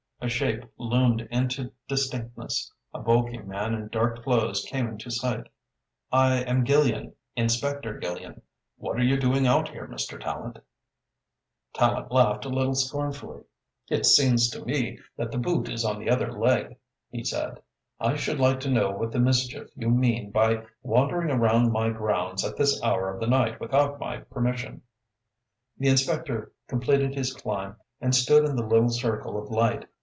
A shape loomed into distinctness. A bulky man in dark clothes came into sight. "I am Gillian Inspector Gillian. What are you doing out here, Mr. Tallente?" Tallente laughed a little scornfully. "It seems to me that the boot is on the other leg," he said. "I should like to know what the mischief you mean by wandering around my grounds at this hour of the night without my permission?" The inspector completed his climb and stood in the little circle of light.